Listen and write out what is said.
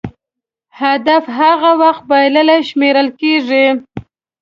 هدف هغه وخت بایللی شمېرل کېږي.